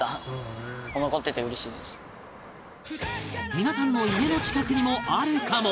皆さんの家の近くにもあるかも